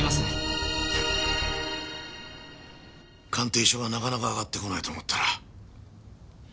鑑定書がなかなか上がってこないと思ったら。